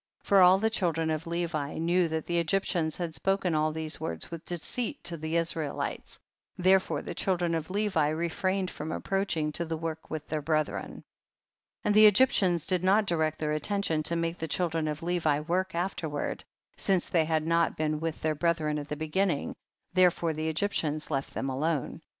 For all the children of Levi knew that the Egyptians had spoken all these words with deceit to the Israelites, therefore the children of Levi refrained from approaching to the work with their brethren. 34. And the Egyptians did not direct their attention to make the children of Levi work afterward, since they had not been with their brethren at the beginning, therefore the Egyptians left them alone. 35.